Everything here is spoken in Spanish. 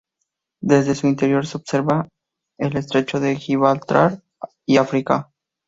Desde su interior se puede observar el Estrecho de Gibraltar y África.